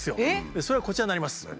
それがこちらになります。